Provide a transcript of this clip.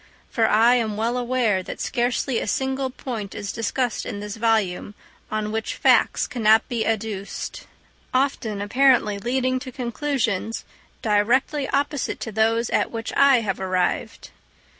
For I am well aware that scarcely a single point is discussed in this volume on which facts cannot be adduced, often apparently leading to conclusions directly opposite to those at which I have arrived.